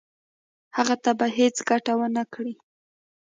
هغه ته به هیڅ ګټه ونه کړي.